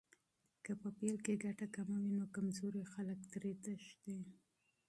که په پیل کې ګټه کمه وي، نو کمزوري خلک ترې تښتي.